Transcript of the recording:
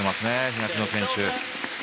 東野選手。